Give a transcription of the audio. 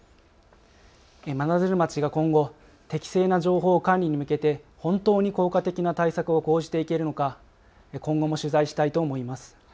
真鶴町が今後、適正な情報管理に向けて本当に効果的な対策を講じていけるのか今後も取材したいと思います。